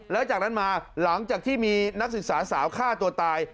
แล้วจากนั้นมาหลังจากที่มีนักศึกษาสาวฆ่าตัวตาย